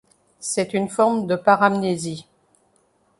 C’est une forme de paramnésie.